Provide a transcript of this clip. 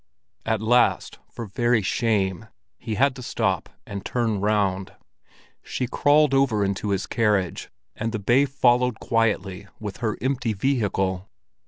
At last, for very shame, he had to stop and turn round. She crawled over into his carriage, and the bay followed quietly with her empty vehicle.